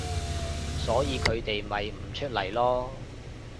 所以佢哋咪唔出嚟囉